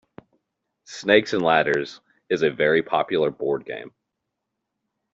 Snakes and ladders is a very popular board game